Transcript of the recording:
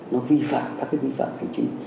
nó vi phạm các cái vi phạm hành trình